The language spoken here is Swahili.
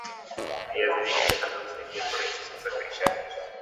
viazi vikichakatwa husaidia kurahisisha usafirishaji